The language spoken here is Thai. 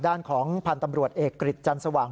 ด้านของพันธ์ตำรวจเอกกฤษจันสว่าง